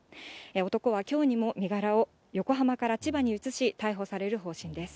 男はきょうにも、身柄を横浜から千葉に移し、逮捕される方針です。